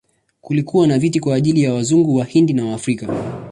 Kulikuwa na viti kwa ajili ya Wazungu, Wahindi na Waafrika.